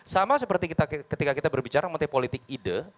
sama seperti ketika kita berbicara mengenai politik ide